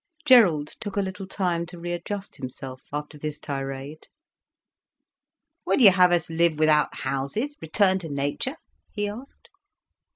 Gerald took a little time to re adjust himself after this tirade. "Would you have us live without houses—return to nature?" he asked.